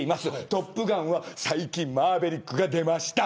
トップガンは最近マーヴェリックが出ました。